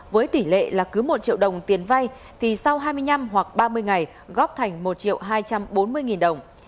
với tỷ lệ là cứ một triệu đồng tiền vay thì sau hai mươi năm hoặc ba mươi ngày góp thành một hai trăm bốn mươi đồng